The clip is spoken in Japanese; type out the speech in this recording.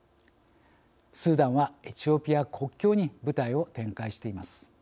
スーダンはエチオピア国境に部隊を展開しています。